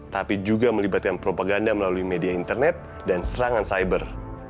tapi juga melibatkan propaganda melalui media internet dan serangan cyber